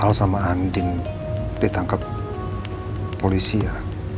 kalau sampai al sama andin ditangkap polisi ya